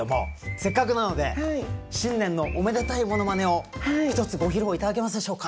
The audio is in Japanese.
せっかくなので新年のおめでたいものまねを一つご披露頂けますでしょうか？